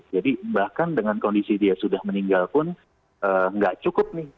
jadi bahkan dengan kondisi dia sudah meninggal pun gak cukup nih